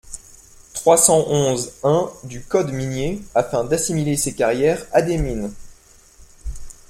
trois cent onze-un du code minier afin d’assimiler ces carrières à des mines.